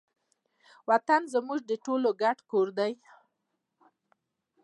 وطن زموږ د ټولو ګډ کور دی.